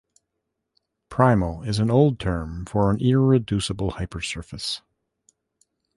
"Primal" is an old term for an irreducible hypersurface.